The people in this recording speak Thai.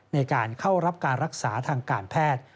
ในการเข้ารับการรักษาทางการแพทย์